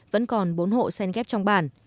vẫn còn bốn hộ sen ghép trong bàn